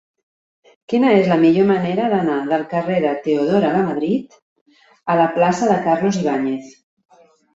Quina és la millor manera d'anar del carrer de Teodora Lamadrid a la plaça de Carlos Ibáñez?